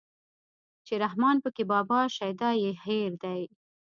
چې رحمان پکې بابا شيدا يې هېر دی